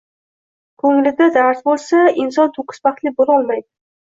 Ko‘ngilda dard bo‘lsa, inson to‘kis baxtli bo‘lolmaydi.